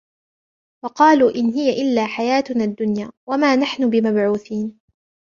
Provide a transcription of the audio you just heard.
وَقَالُوا إِنْ هِيَ إِلَّا حَيَاتُنَا الدُّنْيَا وَمَا نَحْنُ بِمَبْعُوثِينَ